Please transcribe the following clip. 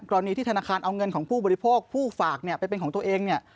รณีที่ธนาคารเอาเงินของผู้บริโภคผู้ฝากเนี่ยไปเป็นของตัวเองเนี่ย